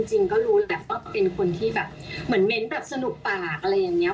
จริงก็รู้แหละว่าเป็นคนที่แบบเหมือนเม้นต์แบบสนุกปากอะไรอย่างนี้